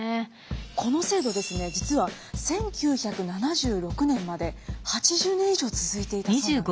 この制度ですね実は１９７６年まで８０年以上続いていたそうなんです。え。